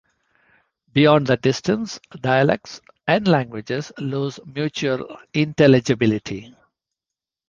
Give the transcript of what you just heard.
Beyond that distance, dialects and languages lose mutual intelligibility.